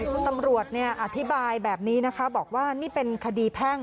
คุณตำรวจอธิบายแบบนี้นะคะบอกว่านี่เป็นคดีแพ่ง